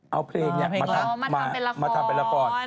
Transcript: เอาเพลงนี้มาทำเป็นละคร